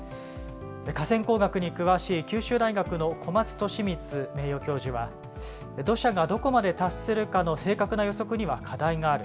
河川工学に詳しい、九州大学の小松利光名誉教授は、土砂がどこまで達するかの正確な予測には課題がある。